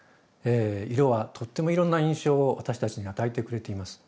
色はとってもいろんな印象を私たちに与えてくれています。